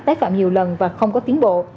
tái phạm nhiều lần và không có tiến bộ